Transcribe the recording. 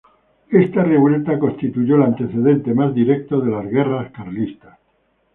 Esta revuelta constituyó el antecedente más directo de las Guerras Carlistas.